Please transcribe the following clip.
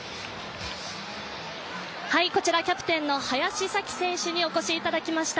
こちらキャプテンの林咲希選手にお越しいただきました。